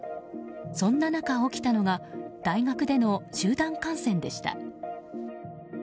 そんな中、起きたのが大学での集団感染でした。